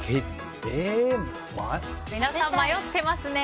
皆さん、迷ってますね。